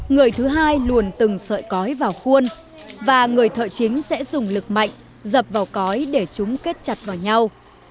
người thứ hai luồn từng sợi cói vào khuôn và người thợ chính sẽ dùng lực mạnh dập vào cói để chúng kết chặt vào nhau